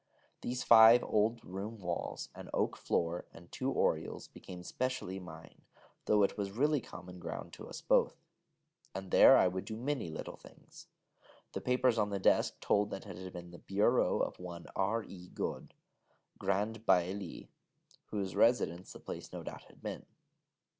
These five old room walls, and oak floor, and two oriels, became specially mine, though it was really common ground to us both, and there I would do many little things. The papers on the desk told that it had been the bureau of one R.E. Gaud, 'Grand Bailli,' whose residence the place no doubt had been.